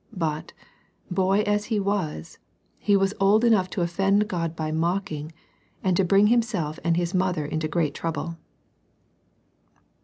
But, boy as he was, he was old enough to offend God by mocking, and to bring himself and his mother into great trouble.